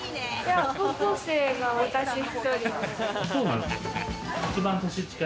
高校生が私１人。